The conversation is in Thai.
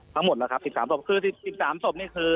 ทั้งหมดแล้วครับ๑๓ศพคือ๑๓ศพนี่คือ